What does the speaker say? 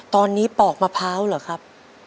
ตอนนี้ปอกมะพร้าวเหรอครับ